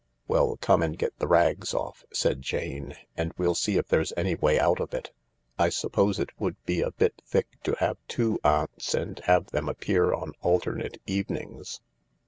" Well, come and get the rags off," said Jane, " and we'll see if there's any way out of it. I suppose it would be a bit thick to have two aunts and have them appear on alternate evenings